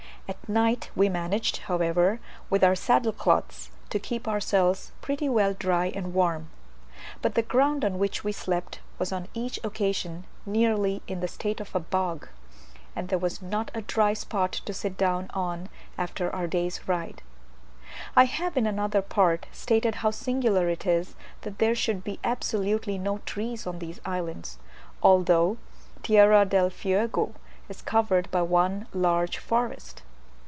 At night we managed, however, with our saddle cloths to keep ourselves pretty well dry and warm; but the ground on which we slept was on each occasion nearly in the state of a bog, and there was not a dry spot to sit down on after our day's ride. I have in another part stated how singular it is that there should be absolutely no trees on these islands, although Tierra del Fuego is covered by one large forest.